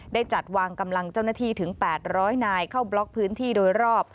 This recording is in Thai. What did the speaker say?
ได้จัดวางกำลังเจ้าหน้าที่ถึง๘๐๐นายเข้าบล็อกพื้นที่โดยรอบ